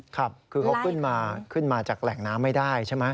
ครับคือเขาขึ้นมาขึ้นมาจากแหล่งน้ำไม่ได้ใช่ไหม